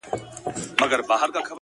د تورو شپو په توره دربه کي به ځان وسوځم،